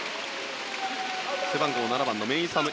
背番号７番のメイサム